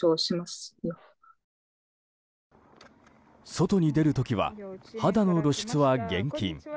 外に出る時は肌の露出は厳禁。